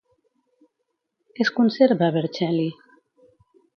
Què es conserva a Vercelli?